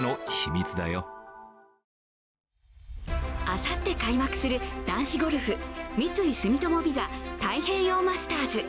あさって開幕する男子ゴルフ、三井住友ＶＩＳＡ太平洋マスターズ。